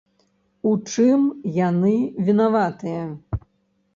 У чым яны вінаватыя?